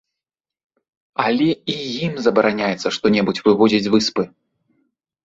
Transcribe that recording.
Але і ім забараняецца што-небудзь вывозіць з выспы.